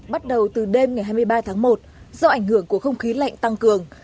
bắt đầu từ đêm ngày hai mươi ba tháng một do ảnh hưởng của không khí lạnh tăng cường